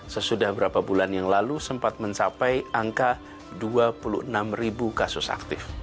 sesudah beberapa bulan yang lalu sempat mencapai angka dua puluh enam